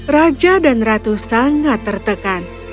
raja dan ratu sangat tertekan